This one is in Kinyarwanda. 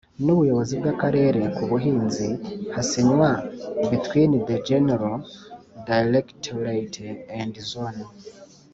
n Ubuyobozi bw Akarere k Ubuhinzi hasinywa between the General Directorate and Zone